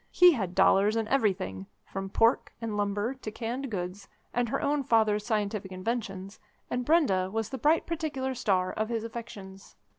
He had dollars in everything, from pork and lumber to canned goods, and her own father's scientific inventions, and Brenda was the bright particular star of his affections.